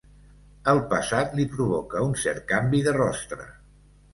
El passat li provoca un cert canvi de rostre.